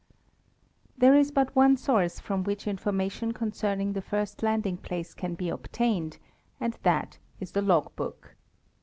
There is but one source from which information concerning the first landing place can be obtained, and that is the log book.